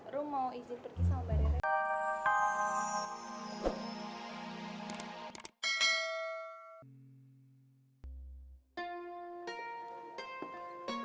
rum mau izin pergi sama bareng